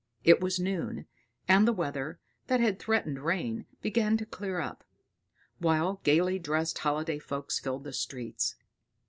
It was noon; and the weather, that had threatened rain, began to clear up, while gaily dressed holiday folks filled the streets.